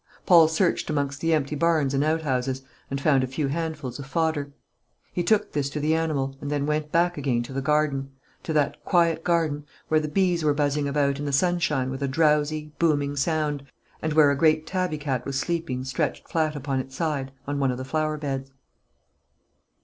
Paul searched amongst the empty barns and outhouses, and found a few handfuls of fodder. He took this to the animal, and then went back again to the garden, to that quiet garden, where the bees were buzzing about in the sunshine with a drowsy, booming sound, and where a great tabby cat was sleeping stretched flat upon its side, on one of the flower beds.